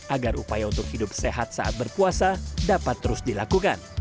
agar upaya untuk hidup sehat saat berpuasa dapat terus dilakukan